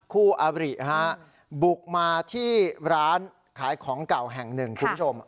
คู่อบริบุกมาที่ร้านขายของเก่าแห่งหนึ่งคุณผู้ชม